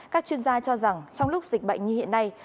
các chuyên gia cho rằng trong lúc dịch bệnh như hiện nay